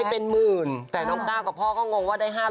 เป็นหมื่นแต่น้องก้าวกับพ่อก็งงว่าได้๕๐๐